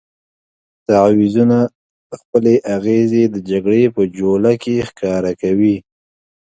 تعویضونه خپلې اغېزې د جګړې په جوله کې ښکاره کوي.